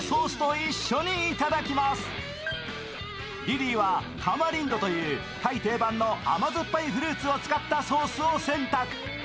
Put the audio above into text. リリーはタマリンドというタイ定番の甘酸っぱいフルーツを使ったソースを選択。